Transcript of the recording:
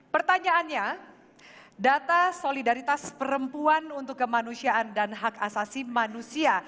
pertanyaannya data solidaritas perempuan untuk kemanusiaan dan hak asasi manusia